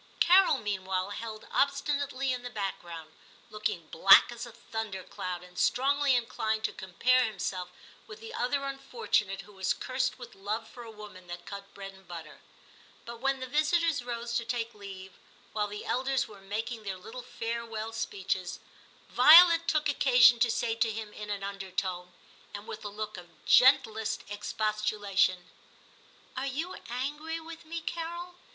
Carol meanwhile held obstinately in the background, looking black as a thunder cloud, and strongly inclined to compare himself with the other unfortunate who was cursed with love for a woman that cut bread and butter. But when the visitors rose to take leave, while the elders were making their little farewell speeches, Violet took occasion to say to him in an undertone, and with a look of gentlest expostulation —* Are you angry with me, Carol